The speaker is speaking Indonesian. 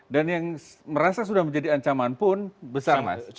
dan yang merasa sudah menjadi ancaman pun besar mas